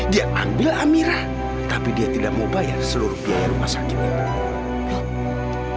dia ambil amirah tapi dia tidak mau bayar seluruh biaya rumah sakit itu